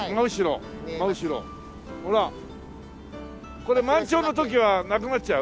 これ満潮の時はなくなっちゃう？